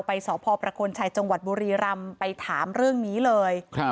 ไปสประคลชัยจบุรีรำไปถามเรื่องนี้เลย